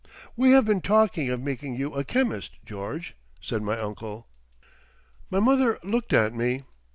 "We have been talking of making you a chemist, George," said my uncle. My mother looked at me.